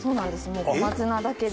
もう小松菜だけで。